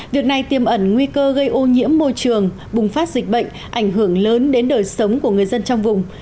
việc này tiêm ẩn nguy cơ gây ô nhiễm môi trường bùng phát dịch bệnh ảnh hưởng lớn đến đời sống của người dân trong vùng